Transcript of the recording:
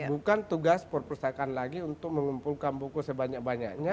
bukan tugas perpustakaan lagi untuk mengumpulkan buku sebanyak banyaknya